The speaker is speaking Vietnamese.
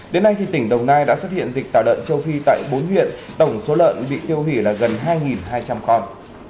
đến nay tỉnh đồng nai đã xuất hiện dịch tả lợn châu phi tại bốn huyện tổng số lợn bị tiêu hủy là gần hai hai trăm linh con